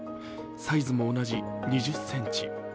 サイズも同じ、２０ｃｍ。